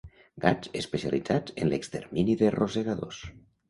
Gats especialitzats en l'extermini de rosegadors.